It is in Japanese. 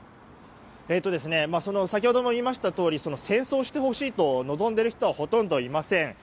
先ほども言いましたとおり戦争をしてほしいと望んでいる人はほとんどいません。